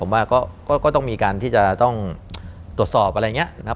ผมว่าก็ต้องมีการที่จะต้องตรวจสอบอะไรอย่างนี้นะครับ